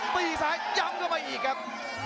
ตีซ้ายย้ำเข้าไปอีกครับ